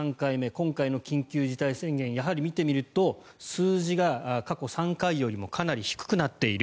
今回の緊急事態宣言やはり見てみると数字が過去３回よりもかなり低くなっている。